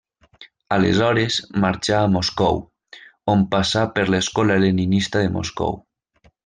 Aleshores marxà a Moscou, on passà per l'Escola Leninista de Moscou.